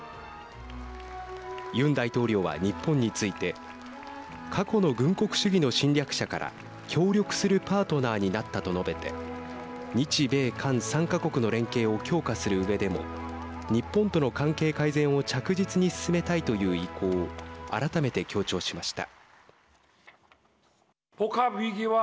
ユン大統領は日本について過去の軍国主義の侵略者から協力するパートナーになったと述べて日米韓３か国の連携を強化するうえでも日本との関係改善を着実に進めたいという意向を改めて強調しました。